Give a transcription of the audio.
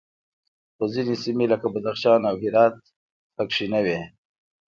خو ځینې سیمې لکه بدخشان او هرات پکې نه وې